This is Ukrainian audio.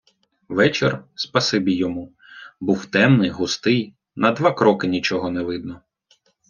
Вечір, спасибі йому, був темний, густий, на два кроки нічого не видно.